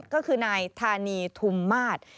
ก็คือนายธานีทุมมาศ